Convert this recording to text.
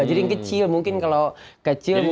jadi yang kecil mungkin kalau kecil mungkin